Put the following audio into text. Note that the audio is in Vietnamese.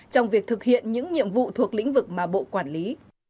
trong việc thực hiện những nhiệm vụ thuộc lĩnh vực mà bộ quản lý